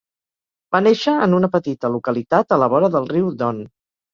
Va néixer en una petita localitat a la vora del riu Don.